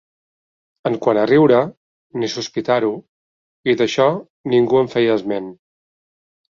En quant a riure, ni sospitar-ho, i d'això ningú en feia esment